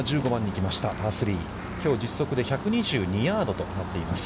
きょう実測で１２２ヤードとなっています。